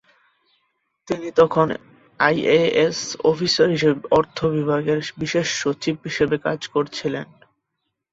তিনি তখন IAS officer হিসেবে অর্থ বিভাগের বিশেষ সচিব হিসেবে কাজ করছিলেন।